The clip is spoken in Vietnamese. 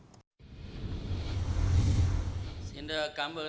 sau khi biểu quyết